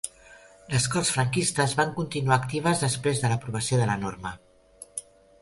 Les Corts franquistes van continuar actives després de l'aprovació de la norma.